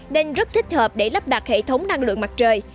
nên rất thích hợp để lắp đặt hệ thống năng lượng mặt trời